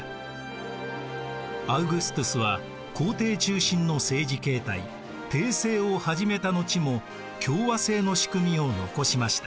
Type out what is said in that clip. アウグストゥスは皇帝中心の政治形態帝政を始めた後も共和政の仕組みを残しました。